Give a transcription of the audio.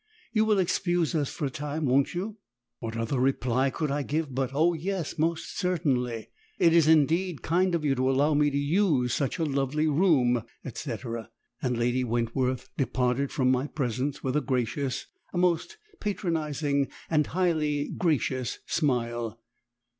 You will excuse us for a time, wont you?" What other reply could I give but "O yes! most certainly! It is indeed kind of you to allow me the use of such a lovely room, &c.," and Lady Wentworth departed from my presence with a gracious a most patronising and highly gracious smile.